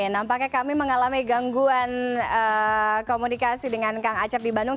nampaknya kami mengalami gangguan komunikasi dengan kang acep di bandung